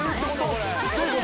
どういうこと？